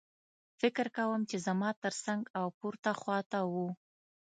فکر کوم چې زما ترڅنګ او پورته خوا ته وو